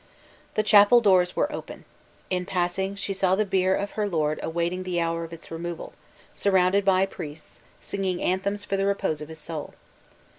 The chapel doors were open. In passing, she saw the bier of her lord awaiting the hour of its removal, surrounded by priests, singing anthems for the repose of his soul.